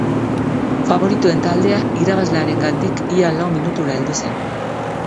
Faboritoen taldea irabazlearengandik ia lau minutura heldu zen.